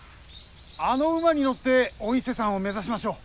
あの馬に乗ってお伊勢さんを目指しましょう！」。